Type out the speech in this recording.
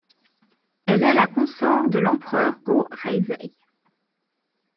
Elle est la consort de l'empereur Go-Reizei.